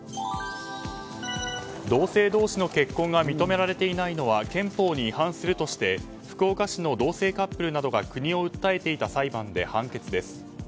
同性同士の結婚が認められていないのは憲法に違反するとして福岡市の同性カップルなどが国を訴えていた裁判で判決です。